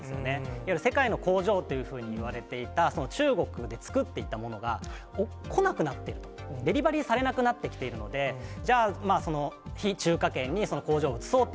いわゆる世界の工場というふうにいわれていた、その中国で作っていたものが、来なくなって、デリバリーされなくなってきていうわ故障？問題！